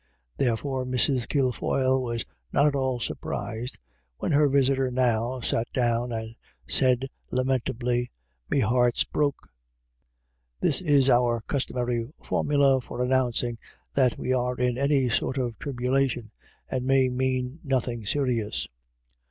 There fore Mrs. Kilfoyle was not at all surprised when her visitor now sat down and said lamentably :" Me heart's broke." This is our customary formula for announcing that we are in any sort of tribulation, and may mean nothing serious.